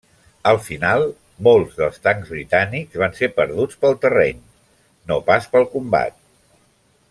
Al final, molts dels tancs britànics van ser perduts pel terreny, no pas pel combat.